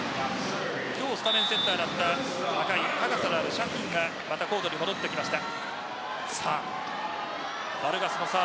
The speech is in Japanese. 今日スタメンセッターだった若い高さのあるシャヒンがまたコートに戻ってきました。